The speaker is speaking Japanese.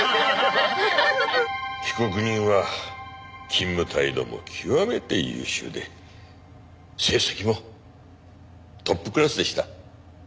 被告人は勤務態度も極めて優秀で成績もトップクラスでした。